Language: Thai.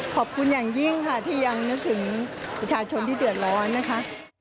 ขอบคุณอย่างยิ่งค่ะที่ยังนึกถึงประชาชนที่เดือดร้อนนะคะ